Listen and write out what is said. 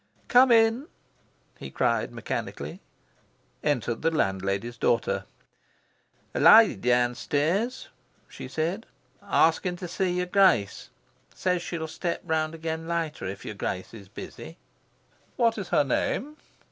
"Come in!" he cried mechanically. Entered the landlady's daughter. "A lady downstairs," she said, "asking to see your Grace. Says she'll step round again later if your Grace is busy." "What is her name?"